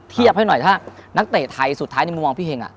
เทียบให้หน่อยถ้านักเตะไทยสุดท้ายในมุมมองพี่เห็ง